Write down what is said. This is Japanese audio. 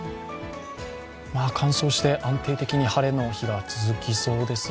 乾燥して、安定的に晴れの日が続きそうです。